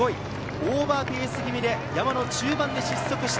オーバーペース気味で山の中盤で失速した。